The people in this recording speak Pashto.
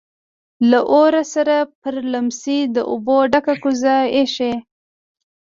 لهٔ ورهٔ سره پر لیمڅي د اوبو ډکه کوزه ایښې.